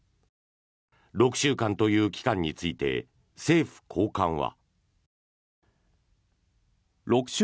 ６週間という期間について政府高官は。